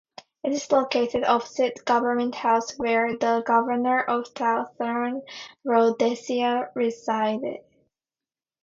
It is located opposite Government House where the Governor of Southern Rhodesia resided.